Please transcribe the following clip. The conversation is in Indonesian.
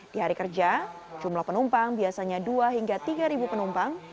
di hari kerja jumlah penumpang biasanya dua hingga tiga penumpang